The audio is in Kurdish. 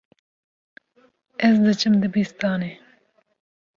Ez diçim dibistanê.